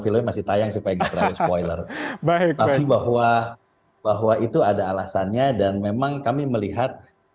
film masih tayang supaya diperoleh spoiler bahwa bahwa itu ada alasannya dan memang kami melihat